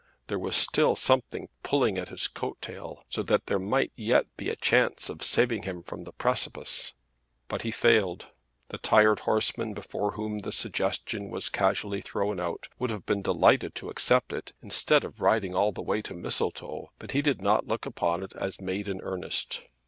There was still something pulling at his coat tail, so that there might yet be a chance of saving him from the precipice. But he failed. The tired horseman before whom the suggestion was casually thrown out, would have been delighted to accept it, instead of riding all the way to Mistletoe; but he did not look upon it as made in earnest.